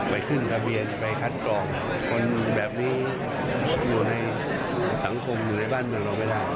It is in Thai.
ไปขึ้นทะเบียนไปคัดกรองคนแบบนี้อยู่ในสังคมอยู่ในบ้านเมืองเราไม่ได้